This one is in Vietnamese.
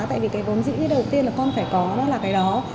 tại vì cái vốn dĩ đầu tiên là con phải có đó là cái đó